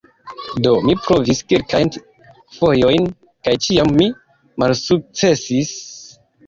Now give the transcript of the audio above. Do mi provis kelkajn fojojn, kaj ĉiam mi malsukcesis.